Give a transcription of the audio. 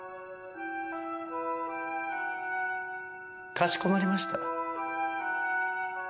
かしこまりました。